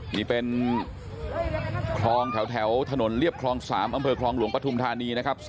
นี่เป็นคลองแถวถนนเรียบคลอง๓อำเภอคลองหลวงปฐุมธานีนะครับ